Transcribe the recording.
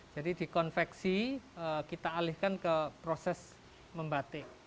jadi di konveksi kita alihkan ke proses membatik